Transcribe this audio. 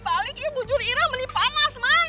balik ya bujur irah mending panas man